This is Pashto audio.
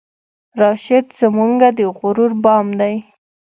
راشد زمونږه د غرور بام دی